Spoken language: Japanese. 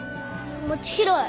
餅拾い。